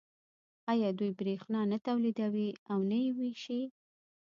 آیا دوی بریښنا نه تولیدوي او نه یې ویشي؟